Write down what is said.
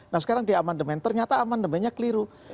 nah sekarang di amandemen ternyata amandemennya keliru